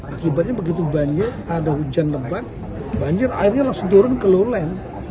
akibatnya begitu banyak ada hujan lembat banjir akhirnya langsung turun ke lowland